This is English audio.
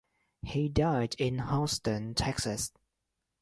He died in Houston, Texas.